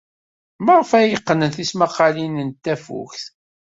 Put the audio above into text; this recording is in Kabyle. Maɣef ay qqnen tismaqqalin n tafukt?